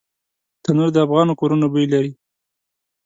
تنور د افغانو کورونو بوی لري